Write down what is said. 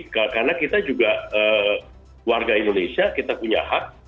karena kita juga warga indonesia kita punya hak